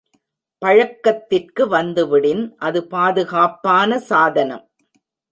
பழக்கத்திற்கு வந்து விடின் அது பாதுகாப்பான சாதனம்.